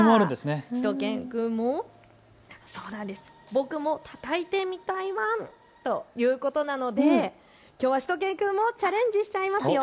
しゅと犬くんも僕もたたいてみたいワンということなのできょうはしゅと犬くんもチャレンジしますよ。